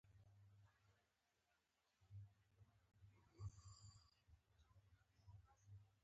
ایران په سوریه او عراق کې نفوذ لري.